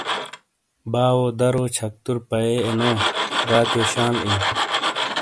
باٶو درو چھَکتُر پَیئے اے نو ، راتِیو شال اِیوں۔